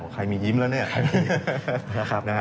ใครมียิ้มรึยังใครมี